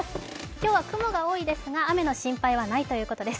今日も雲が多いですが雨の心配はないということです。